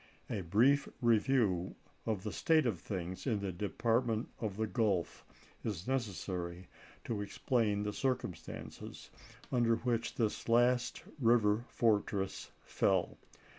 A brief review of the state of things in the Department of the Gulf is necessary to explain the circumstances under which this last river fortress fell.